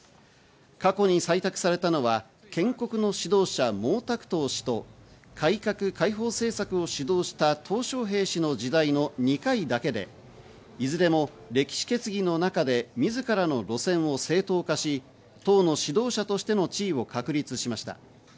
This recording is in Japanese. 過去に採択されたのは、建国の指導者、モウ・タクトウ氏と改革開放政策を主導したトウ・ショウヘイ氏の時代の２回だけで、いずれも歴史決議の中でみずからの路線を正当化し、党の指導者としての地位を確立しました。